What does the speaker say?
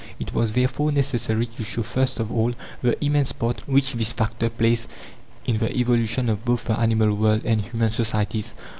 It was therefore necessary to show, first of all, the immense part which this factor plays in the evolution of both the animal world and human societies.